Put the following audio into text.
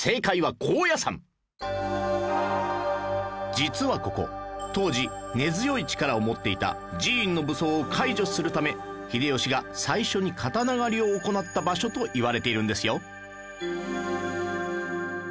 実はここ当時根強い力を持っていた寺院の武装を解除するため秀吉が最初に刀狩りを行った場所といわれているんですよ